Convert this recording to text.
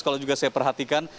kalau juga saya perhatikan